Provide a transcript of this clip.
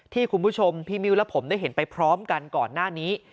ที่คุณผู้ชมพี่มิ้วและผมได้เห็นไปพร้อมกันก่อนหน้านี้